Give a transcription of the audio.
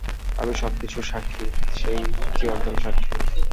আমি সব কিছুর সাক্ষী, সেই চিরন্তন সাক্ষী।